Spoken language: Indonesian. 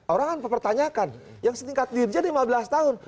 orang kan pertanyakan yang setingkat diri dia lima belas tahun